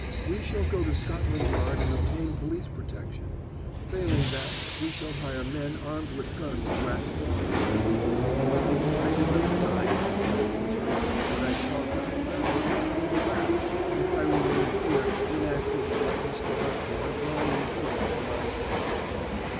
"We shall go to Scotland Yard and obtain police protection. Failing that, we shall hire men armed with guns to act as our escort. Mother, I did not die in that den of misery, but I shall die now of impotent wrath if I remain here inactive and let Mr. Osborne lie in prison for my sake."